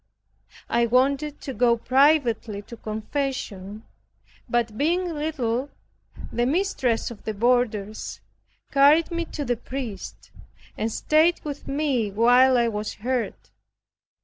I wanted to go privately to confession, but being little, the mistress of the boarders carried me to the priest, and stayed with me while I was heard.